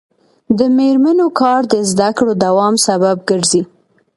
د میرمنو کار د زدکړو دوام سبب ګرځي.